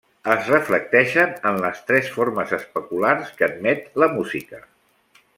Es reflecteixen en les tres formes especulars que admet la música.